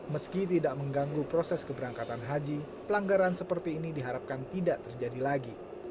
meski tidak mengganggu proses keberangkatan haji pelanggaran seperti ini diharapkan tidak terjadi lagi